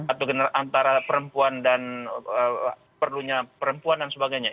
atau antara perempuan dan perlunya perempuan dan sebagainya